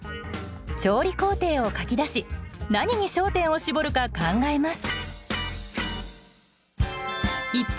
調理工程を書き出し何に焦点を絞るか考えます。